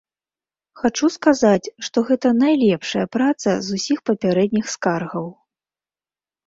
Хачу сказаць, што гэта найлепшая праца з усіх папярэдніх скаргаў.